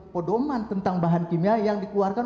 pedoman tentang bahan kimia yang dikeluarkan